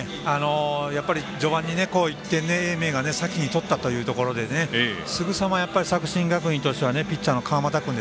序盤に１点、英明が先に取ったというところですぐに作新学院としてはピッチャーの川又君